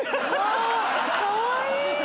かわいい！